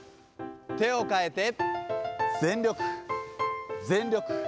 手をかえて、全力、全力。